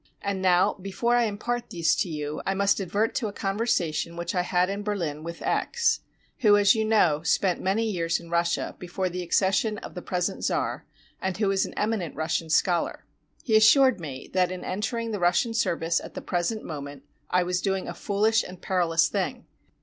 And now before I impart these to you I must advert to a conversation which I had in Berlin with X , who, as you know, spent many years in Russia, before the accession of the present czar, and who is an eminent Russian scholar. He assured me that in entering the Russian service at the present moment I was doing a fooUsh and perilous thing.